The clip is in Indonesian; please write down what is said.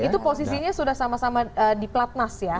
itu posisinya sudah sama sama di platnas ya